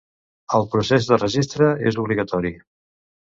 El procés de registre és obligatori.